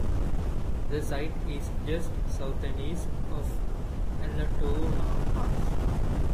The site is just south and east of Allatoona Pass.